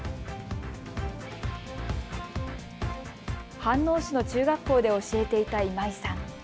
飯能市の中学校で教えていた今井さん。